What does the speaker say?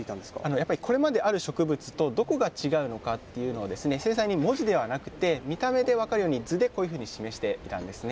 やっぱりこれまである植物とどこが違うのかっていうのを精細に文字ではなくて、見た目で分かるように、図でこういうふうに示していたんですね。